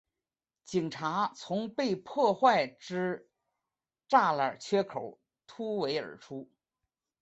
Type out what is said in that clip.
警察从被破坏之栅栏缺口突围而出